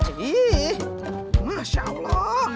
ih masya allah